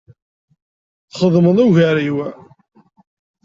Txedmeḍ ugar-iw.